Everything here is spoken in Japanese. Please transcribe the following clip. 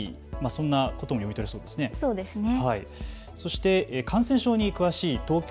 そんなことも読み取れそうですね。